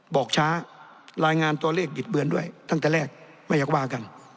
บอกช้ารายงานตัวเลขบิดเบือนด้วยตั้งแต่แรกไม่อยากว่ากัน